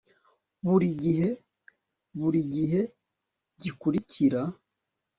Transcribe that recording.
Burigihe burigihe gikurikira